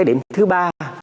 điểm thứ ba